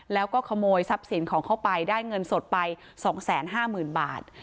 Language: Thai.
แล้วก็ขโมยทรัพย์สินของเข้าไปได้เงินสดไป๒๕๐๐๐บาท